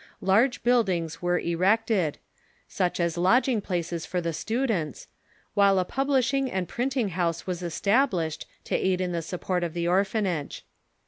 Large buildings were erected, such as lodging places for the students, Avhile a publishing and printing house was established, to aid in the support of the oi'phanage.